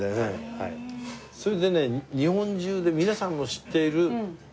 それでね日本中で皆さんの知っているメニュー。